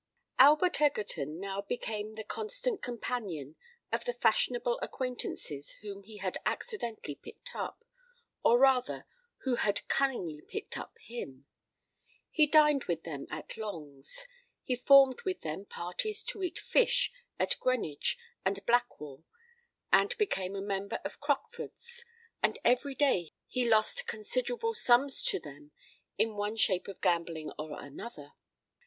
Albert Egerton now became the constant companion of the fashionable acquaintances whom he had accidentally picked up—or rather, who had cunningly picked up him. He dined with them at Long's;—he formed with them parties to eat fish at Greenwich and Blackwall;—he became a member of Crockford's;—and every day he lost considerable sums to them in one shape of gambling or another.